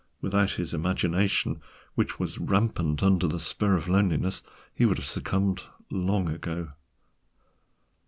Without his imagination, which was rampant under the spur of loneliness, he would have succumbed long ago.